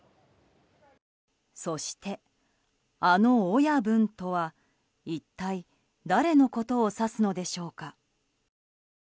そして、あの親分とは一体誰のことを指すのでしょうか。